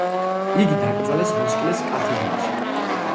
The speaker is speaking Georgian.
იგი დაკრძალეს როსკილეს კათედრალში.